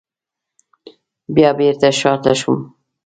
بیا بېرته شاته شوم.